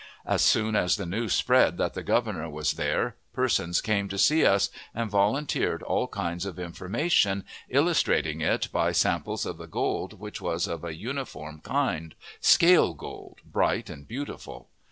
As soon as the news spread that the Governor was there, persons came to see us, and volunteered all kinds of information, illustrating it by samples of the gold, which was of a uniform kind, "scale gold," bright and beautiful.